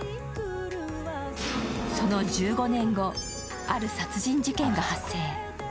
その１５年後、ある殺人事件が発生。